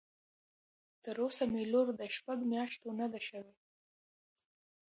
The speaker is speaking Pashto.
تر اوسه مې لور د شپږ مياشتو نه ده شوى.